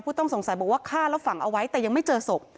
ต้องสงสัยบอกว่าฆ่าแล้วฝังเอาไว้แต่ยังไม่เจอศพ